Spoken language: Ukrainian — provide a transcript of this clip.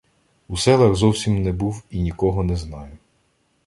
У селах зовсім не був і нікого не знаю.